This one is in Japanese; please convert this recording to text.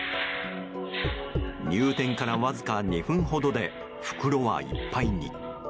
入店からわずか２分ほどで袋はいっぱいに。